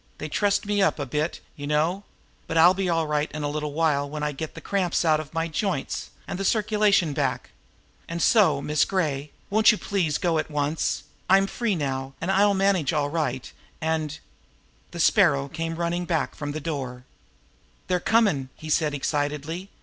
"They trussed me up a bit, you know but I'll be all right in a little while when I get the cramps out of my joints and the circulation back. And so, Miss Gray, won't you please go at once? I'm free now, and I'll manage all right, and " The Sparrow came running back from the door. "They're comm'!" he said excitedly.